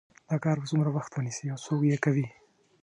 دا کار به څومره وخت ونیسي او څوک یې کوي